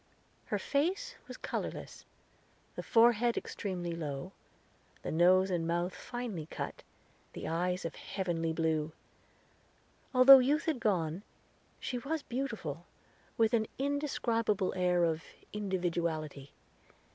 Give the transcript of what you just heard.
Her face was colorless, the forehead extremely low, the nose and mouth finely cut, the eyes of heavenly blue. Although youth had gone, she was beautiful, with an indescribable air of individuality.